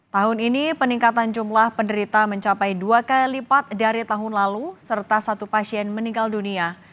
tahun ini peningkatan jumlah penderita mencapai dua kali lipat dari tahun lalu serta satu pasien meninggal dunia